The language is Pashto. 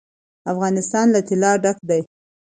افغانستان له طلا ډک دی.